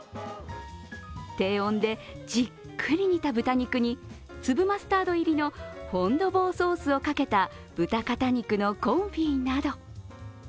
低温でじっくり煮た豚肉に粒マスタード入りのフォンドヴォーソースをかけた豚肩肉のコンフィなど。